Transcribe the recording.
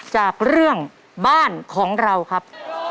จากเรื่องบ้านของเราครับ